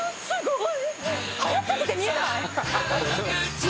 すごい。